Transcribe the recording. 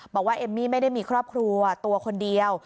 เอมมี่ไม่ได้มีครอบครัวตัวคนเดียว